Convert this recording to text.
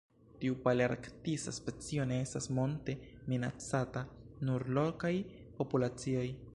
Tiu palearktisa specio ne estas monde minacata, nur lokaj populacioj.